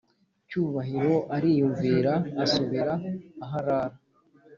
cyubahiro ariyumvira asubira aharara!